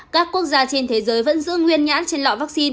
các quốc gia trên thế giới vẫn giữ nguyên nhãn trên lọ vaccine